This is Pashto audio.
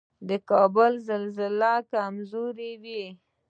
د کابل زلزلې کمزورې وي